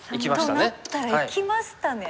となったらいきましたね。